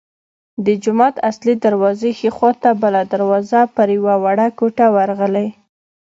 د جومات اصلي دروازې ښي خوا ته بله دروازه پر یوه وړه کوټه ورغلې.